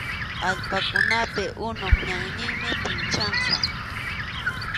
Allpakunapi unup ñanninmi pinchaqa.